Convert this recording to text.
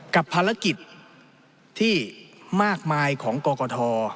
กับภารกิจที่มากมายของกรกฐ